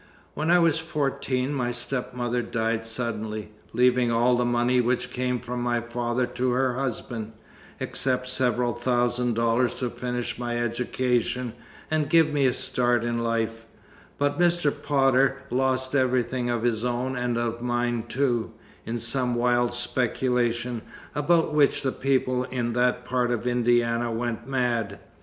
When I was fourteen, my stepmother died suddenly leaving all the money which came from my father to her husband, except several thousand dollars to finish my education and give me a start in life; but Mr. Potter lost everything of his own and of mine too, in some wild speculation about which the people in that part of Indiana went mad.